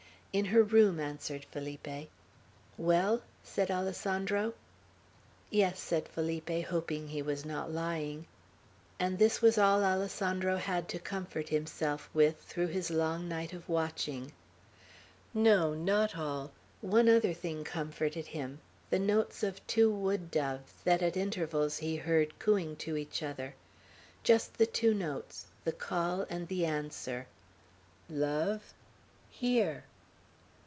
"In her room," answered Felipe. "Well?" said Alessandro. "Yes," said Felipe, hoping he was not lying; and this was all Alessandro had to comfort himself with, through his long night of watching. No, not all; one other thing comforted him, the notes of two wood doves, that at intervals he heard, cooing to each other; just the two notes, the call and the answer, "Love?" "Here."